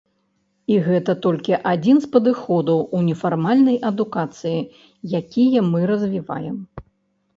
І гэта толькі адзін з падыходаў у нефармальнай адукацыі, якія мы развіваем.